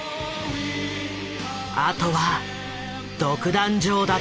あとは独壇場だった。